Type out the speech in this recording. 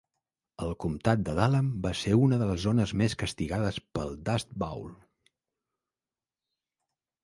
El comtat de Dallam va ser una de les zones més castigades pel Dust Bowl.